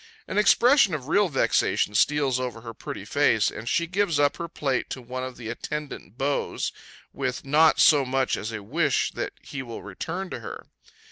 An expression of real vexation steals over her pretty face, and she gives up her plate to one of the attendant beaux, with not so much as a wish that he will return to her.